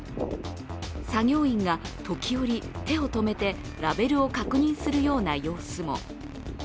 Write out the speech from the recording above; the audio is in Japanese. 作業員が時折、手を止めてラベルを確認するような様子も。